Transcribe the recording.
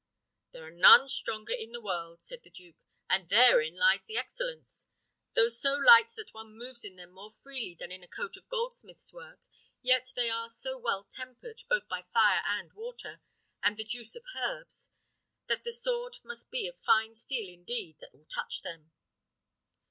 "There are none stronger in the world," said the duke, "and therein lies the excellence. Though so light that one moves in them more freely than in a coat of goldsmith's work, yet they are so well tempered, both by fire and water, and the juice of herbs, that the sword must be of fine steel indeed that will touch them."